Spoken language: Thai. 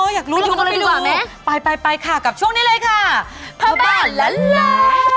อ๋ออยากรู้ดีกว่านั้นไปดูไปค่ะกลับช่วงนี้เลยค่ะพาบ้าล้าล้า